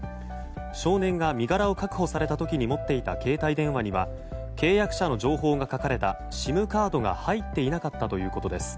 少年が身柄を確保された時に持っていた携帯電話には契約者の情報が書かれたＳＩＭカードが入っていなかったということです。